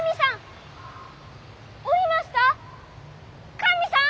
神さん！